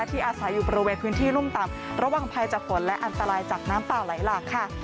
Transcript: ที่อาศัยอยู่บริเวณพื้นที่รุ่มต่ำระวังภัยจากฝนและอันตรายจากน้ำป่าไหลหลากค่ะ